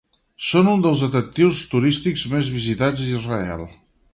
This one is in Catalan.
Són un dels atractius turístics més visitats a Israel.